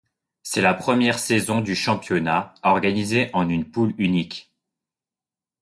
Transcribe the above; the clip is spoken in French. C'est la première saison du championnat organisé en une poule unique.